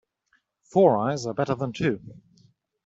Four eyes are better than two.